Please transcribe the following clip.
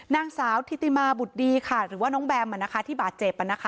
นางสาวธิติมาบุตรดีค่ะหรือว่าน้องแบมที่บาดเจ็บ